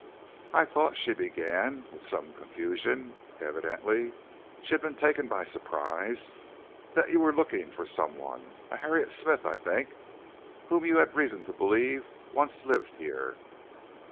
"I thought," she began, with some confusion, evidently she had been taken by surprise, "that you were looking for some one, a Harriet Smith, I think, whom you had reason to believe once lived here."